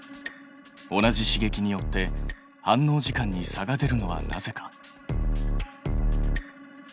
同じ刺激によって反応時間に差が出るのはなぜか？